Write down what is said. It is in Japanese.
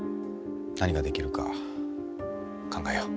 何ができるか考えよう。